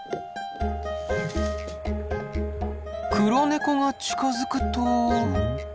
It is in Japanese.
黒ネコが近づくと。